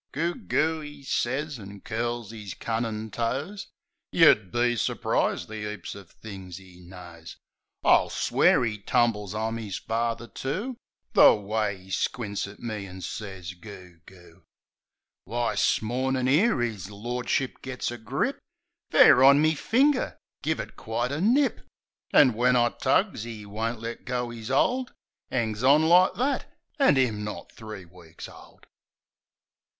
"Goog, goo," 'e sez, an' curls 'is cunnin' toes. Yeh'd be su'prised the 'caps o' things 'e knows. I'll swear 'e tumbles I'm 'is father, too; The way 'e squints at me, an' sez, "Goog, goo." Why! 'smornin', 'ere 'is lordship gits a grip Fair on me finger — give it quite a nip! An' when I tugs, 'e won't let go 'is hold! 'Angs on like that! An' 'im not three weeks old!